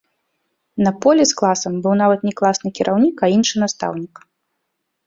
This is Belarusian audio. На поле з класам быў нават не класны кіраўнік, а іншы настаўнік.